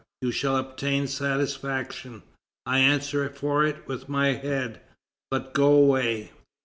You shall obtain satisfaction; I answer for it with my head; but go away."